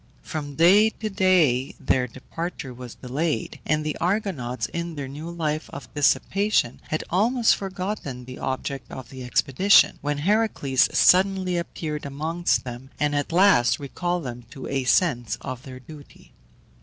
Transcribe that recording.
From day to day their departure was delayed, and the Argonauts, in their new life of dissipation, had almost forgotten the object of the expedition, when Heracles suddenly appeared amongst them, and at last recalled them to a sense of their duty.